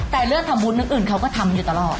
แต่เรื่องทำบุญเรื่องอื่นเขาก็ทำอยู่ตลอด